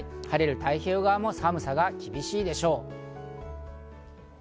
晴れる太平洋側でも寒さが厳しいでしょう。